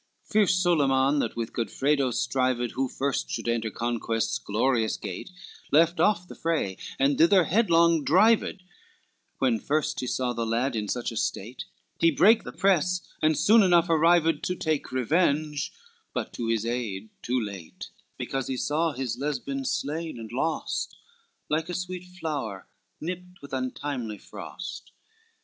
LXXXV Fierce Solyman that with Godfredo strived Who first should enter conquest's glorious gate, Left off the fray and thither headlong drived, When first he saw the lad in such estate; He brake the press, and soon enough arrived To take revenge, but to his aid too late, Because he saw his Lesbine slain and lost, Like a sweet flower nipped with untimely frost.